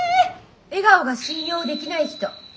「笑顔が信用できない人」。